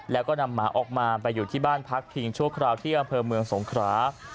แล้วก็นำหมาออกมาไปอยู่ที่บ้านพักพิงชั่วคราวที่อำเภอเมืองสงครา